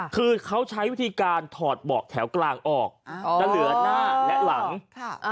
คือเขาใช้วิธีการถอดเบาะแถวกลางออกจะเหลือหน้าและหลังค่ะ